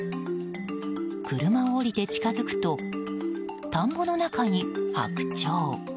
車を降りて近づくと田んぼの中にハクチョウ。